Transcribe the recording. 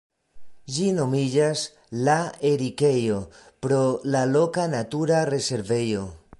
Ĝi nomiĝas "La Erikejo" pro la loka natura rezervejo.